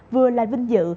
vừa là vinh dự